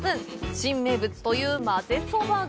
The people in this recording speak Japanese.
新名物というまぜそばが。